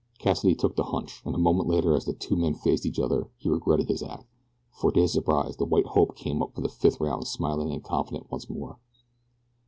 Cassidy took the hunch, and a moment later as the two men faced each other he regretted his act, for to his surprise the "white hope" came up for the fifth round smiling and confident once more.